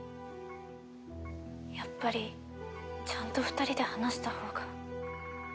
やっぱりちゃんと２人で話したほうが。